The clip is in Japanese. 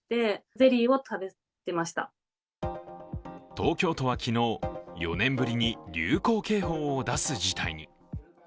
東京都は昨日、４年ぶりに流行警報を出す事態に。